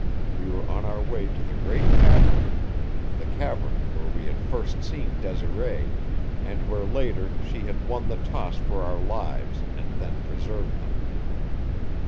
We were on our way to the great cavern the cavern where we had first seen Desiree, and where later she had won the toss for our lives and then preserved them.